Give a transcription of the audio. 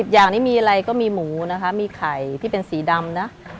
อย่างนี้มีอะไรก็มีหมูนะคะมีไข่ที่เป็นสีดำนะ